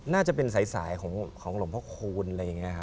น่าจะเป็นสายของหลวงพ่อคูณอะไรอย่างนี้ครับ